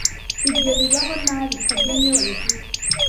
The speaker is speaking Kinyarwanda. Ibyo bibaho nabi fabien niwe wabivuze